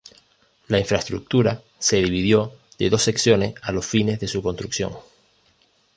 La infraestructura se dividió de dos secciones a los fines de su construcción.